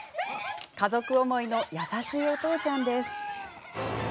家族思いの優しいお父ちゃんです。